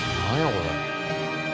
これ。